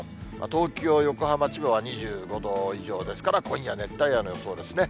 東京、横浜、千葉は２５度以上ですから、今夜、熱帯夜の予想ですね。